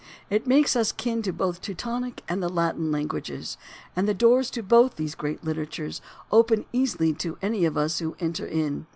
It makes us kin to both the Teutonic and the Latin languages, and the doors to both those great literatures open easily to any of us who would enter in.